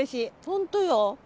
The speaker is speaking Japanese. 本当よ。